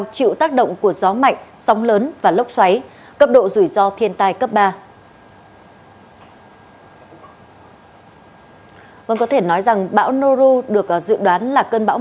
xin chào và hẹn gặp lại